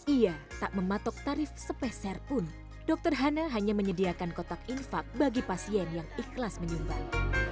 ia tak mematok tarif sepeserpun dokter hana hanya menyediakan kotak infak bagi pasien yang ikhlas menyumbang